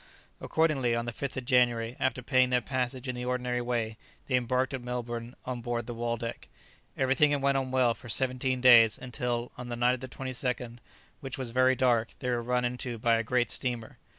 Accordingly, on the 5th of January, after paying their passage in the ordinary way, they embarked at Melbourne on board the "Waldeck." Everything went on well for seventeen days, until, on the night of the 22nd, which was very dark, they were run into by a great steamer.